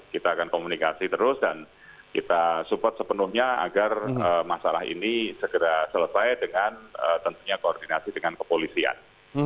kita akan komunikasi terus dan kita support sepenuhnya agar masalah ini segera selesai dengan tentunya koordinasi dengan kepolisian